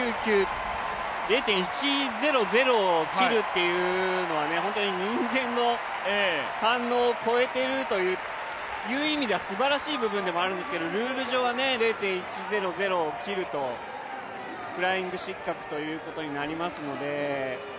０．１００を切るというのは、本当に人間の反応を超えているという意味では、すばらしい部分でもあるんですけれどもルール上では０．１００を切るとフライング失格となりますので。